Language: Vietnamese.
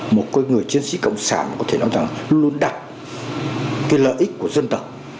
một người chiến sĩ cộng sản có thể nói rằng luôn đặt cái lợi ích của dân tộc